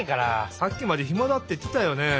さっきまで「ひまだ」っていってたよね。